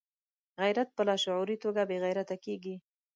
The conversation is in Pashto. غیرت په لاشعوري توګه بې غیرته کېږي.